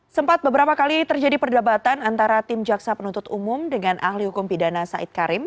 sempat beberapa kali terjadi perdebatan antara tim jaksa penuntut umum dengan ahli hukum pidana said karim